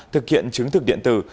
thực hiện chứng thực điện tử